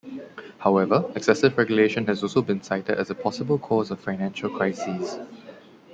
However, excessive regulation has also been cited as a possible cause of financial crises.